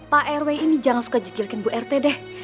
pak rw ini jangan suka jitilkin ibu rt deh